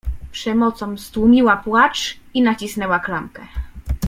Przemocą stłumiła płacz i nacisnęła klamkę.